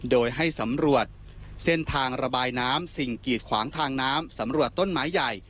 โดยให้สำรวจเส้นทางระบายน้ำสิ่งกีดขวางทางน้ำสำรวจต้นไม้ใหญ่